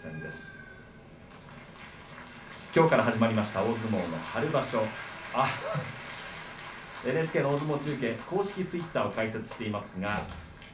きょうから始まりました大相撲の春場所ＮＨＫ大相撲中継では公式ツイッターを開設しています。